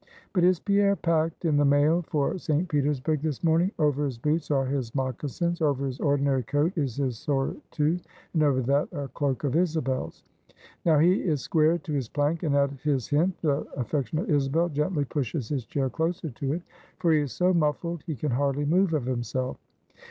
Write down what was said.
But is Pierre packed in the mail for St. Petersburg this morning? Over his boots are his moccasins; over his ordinary coat is his surtout; and over that, a cloak of Isabel's. Now he is squared to his plank; and at his hint, the affectionate Isabel gently pushes his chair closer to it, for he is so muffled, he can hardly move of himself.